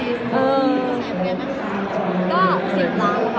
สุดท้ายคุณผู้ชายเป็นยังไงบ้างคะ